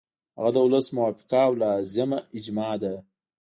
هغه د ولس موافقه او لازمه اجماع ده.